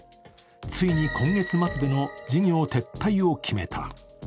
ついに今月末での事業撤退を決めた。